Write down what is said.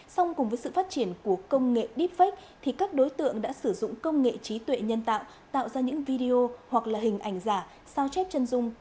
xong cùng với sự phát triển của công nghệ deepfake thì các đối tượng đã sử dụng công nghệ trí tuệ nhân tạo tạo ra những video hoặc là hình ảnh giả sao chép chân dung